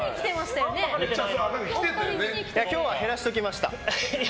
今日は減らしておきました。